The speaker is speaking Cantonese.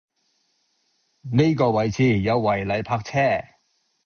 呢個位置有違例泊車